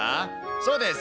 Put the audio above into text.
そうです。